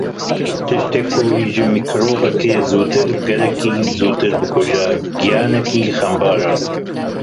Tiştê ku we ji mîkrobekê zûtir, gelekî zûtir bikuje, giyanekî xembar e.